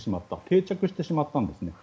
定着してしまったんですね。